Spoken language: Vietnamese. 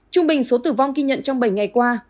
trung bình số tử vong ghi nhận trong bảy ngày qua